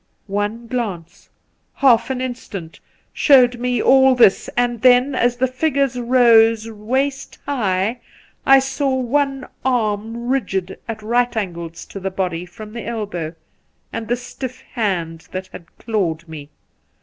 One glance half an instant — showed me all this, and then, as the figures rose waist high, I saw one arm rigid at right angles to the body from the elbow, and the stiff hand that had clawed me.